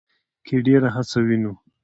کې ډېره هڅه وينو